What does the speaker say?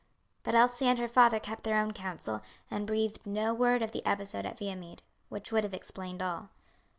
But Elsie and her father kept their own counsel, and breathed no word of the episode at Viamede, which would have explained all.